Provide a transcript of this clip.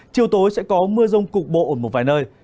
chiều tối sẽ có mưa rông cục bộ ở một vài nơi